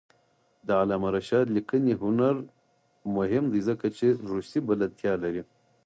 د علامه رشاد لیکنی هنر مهم دی ځکه چې روسي بلدتیا لري.